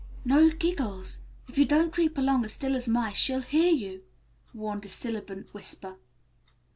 No giggles. If you don't creep along as still as mice she'll hear you," warned a sibilant whisper.